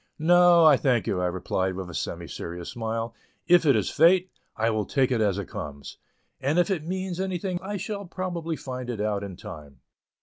"No, I thank you," I replied with a semi serious smile; "If it is fate, I will take it as it comes; and if it means anything I shall probably find it out in time."